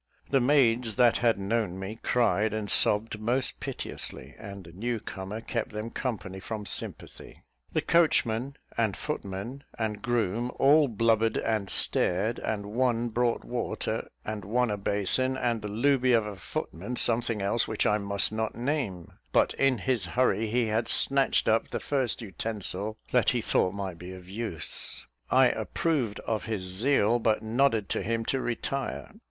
The maids that had known me cried and sobbed most piteously, and the new comer kept them company from sympathy. The coachman, and footman, and groom, all blubbered and stared; and one brought water, and one a basin, and the looby of a footman something else, which I must not name; but in his hurry he had snatched up the first utensil that he thought might be of use; I approved of his zeal, but nodded to him to retire.